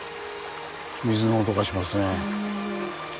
水の音がしますね。